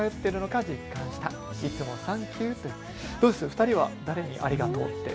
２人は誰にありがとう？